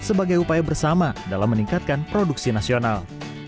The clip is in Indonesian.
sebagai upaya bersama dalam meningkatkan produksi nasional